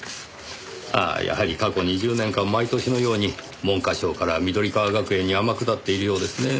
ああやはり過去２０年間毎年のように文科省から緑川学園に天下っているようですねぇ。